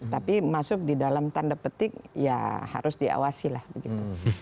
tapi masuk di dalam tanda petik ya harus diawasi lah begitu